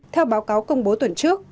theo báo cáo công bố tuần trước